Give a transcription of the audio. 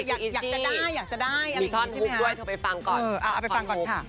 อยากจะได้อยากจะได้อะไรอย่างนี้ใช่ไหมฮะเออเอาไปฟังก่อนค่ะมีทอนฮุกด้วยเธอไปฟังก่อน